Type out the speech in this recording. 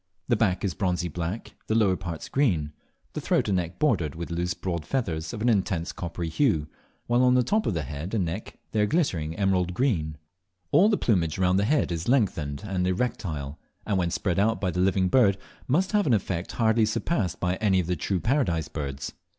The back is bronzy black, the lower parts green, the throat and neck bordered with loose broad feathers of an intense coppery hue, while on the top of the head and neck they are glittering emerald green, All the plumage round the head is lengthened and erectile, and when spread out by the living bird must lave an effect hardly surpassed by any of the true Paradise birds.